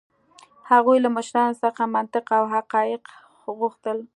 هغوی له مشرانو څخه منطق او حقایق غوښتل.